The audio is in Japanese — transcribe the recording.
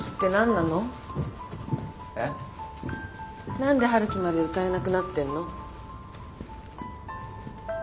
何で陽樹まで歌えなくなってんの？